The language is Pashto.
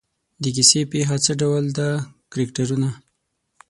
د کیسې پېښه څه ډول ده کرکټرونه.